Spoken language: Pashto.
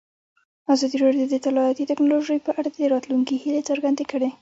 ازادي راډیو د اطلاعاتی تکنالوژي په اړه د راتلونکي هیلې څرګندې کړې.